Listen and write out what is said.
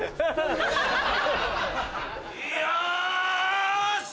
よし！